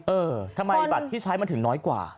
เออทำไมบัตรที่ใช้มันถึงน้อยกว่า